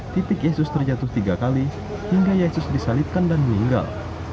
titik yesus terjatuh tiga kali hingga yesus disalitkan dan meninggal